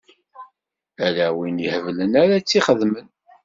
Ala win iheblen ara tt-ixedmen.